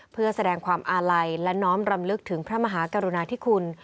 เพื่อแสดงความอาลัยและน้อมรำลึกถึงพระมหากรุณาธิคุณ